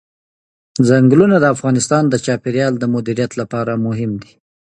ځنګلونه د افغانستان د چاپیریال د مدیریت لپاره مهم دي.